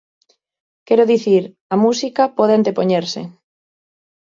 Quero dicir: a música pode antepoñerse.